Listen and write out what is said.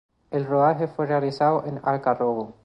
El rodaje fue realizado en Algarrobo.